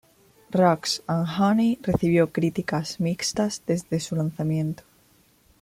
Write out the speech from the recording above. Rocks and Honey recibió críticas mixtas desde su lanzamiento.